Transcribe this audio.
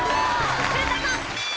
古田さん。